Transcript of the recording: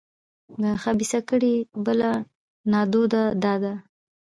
د خبیثه کړۍ بله نادوده دا ده.